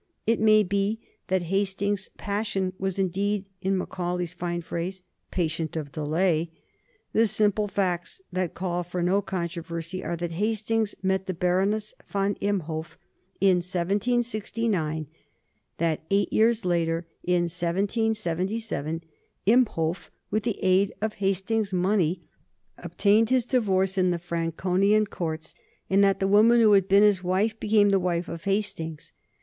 It may be that Hastings's passion was indeed, in Macaulay's fine phrase, "patient of delay." The simple facts that call for no controversy are that Hastings met the Baroness von Imhoff in 1769; that eight years later, in 1777, Imhoff, with the aid of Hastings's money, obtained his divorce in the Franconian Courts, and that the woman who had been his wife became the wife of Hastings.